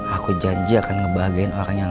aku janji akan ngebahagiain orang yang aku sayang